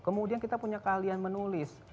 kemudian kita punya keahlian menulis